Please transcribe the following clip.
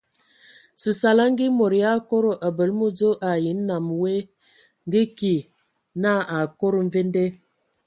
Səsala ngə e mod yʼakodo abələ mədzo ai nnam woe ngə ki na akodo mvende.